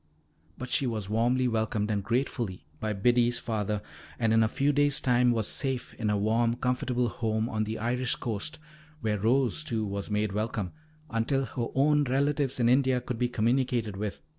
But she was welcomed warmly and gratefully by Biddy's father, and in a few days' time was safe in a warm, comfortable home on the Irish coast, where Rose, too, was made welcome, until her own relatives in India could be communicated with.